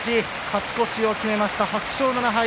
勝ち越しを決めました、８勝７敗。